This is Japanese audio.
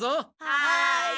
はい！